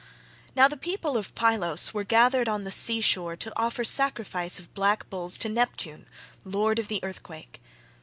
Now the people of Pylos were gathered on the sea shore to offer sacrifice of black bulls to Neptune lord of the Earthquake.